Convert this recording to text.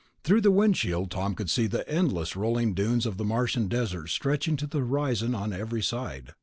Through the windshield Tom could see the endless rolling dunes of the Martian desert stretching to the horizon on every side.